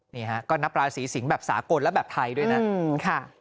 นี่ฮะก็นับราศีสิงแบบสากลและแบบไทยด้วยนะ